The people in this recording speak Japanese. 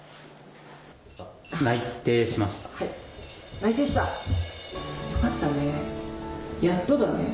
内定した？よかったねやっとだね。